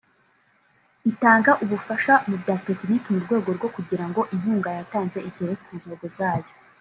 Itanga ubufasha mu bya tekiniki mu rwego rwo kugira ngo inkunga yatanze igere ku ntego zayo